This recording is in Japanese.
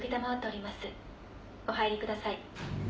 お入りください。